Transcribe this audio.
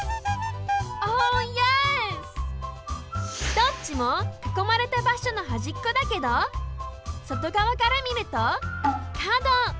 どっちもかこまれたばしょのはじっこだけどそとがわからみると角！